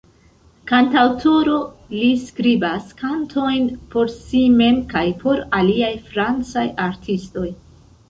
Kantaŭtoro, li skribas kantojn por si mem kaj por aliaj francaj artistoj.